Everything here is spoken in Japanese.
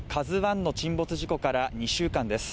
「ＫＡＺＵⅠ」の沈没事故から２週間です。